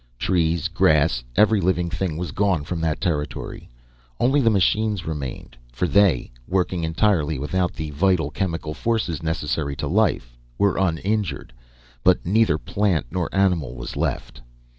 Trees, grass, every living thing was gone from that territory. Only the machines remained, for they, working entirely without the vital chemical forces necessary to life, were uninjured. But neither plant nor animal was left.